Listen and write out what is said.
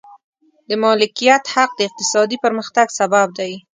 د مالکیت حق د اقتصادي پرمختګ سبب دی.